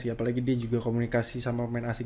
apalagi dia juga komunikasi sama main asal